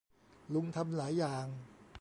ลุงทำหลายอย่าง